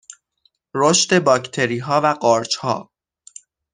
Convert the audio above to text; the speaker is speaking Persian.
رشد باکتریها و قارچها